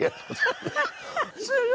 すごい。